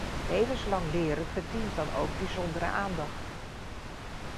Levenslang leren verdient dan ook bijzondere aandacht.